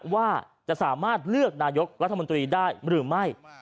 ว่าจะสามารถเลือกนายกรัฐมนตรีได้หรือไม่